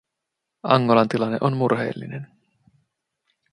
Angolan tilanne on murheellinen.